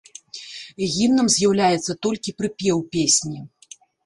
Гімнам з'яўляецца толькі прыпеў песні.